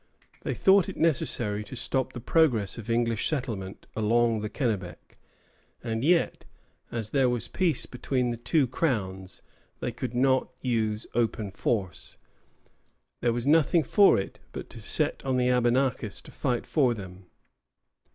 They thought it necessary to stop the progress of English settlement along the Kennebec; and yet, as there was peace between the two Crowns, they could not use open force. There was nothing for it but to set on the Abenakis to fight for them.